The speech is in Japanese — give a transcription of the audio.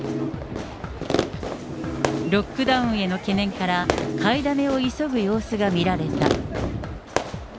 ロックダウンへの懸念から、買いだめを急ぐ様子が見られた。